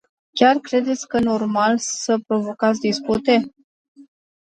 Chiar credeți că normal să provocați dispute?